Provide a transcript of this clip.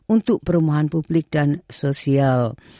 untuk perumahan publik dan sosial